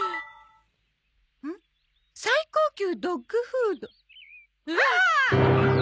「最高級ドッグフード」ああっ！！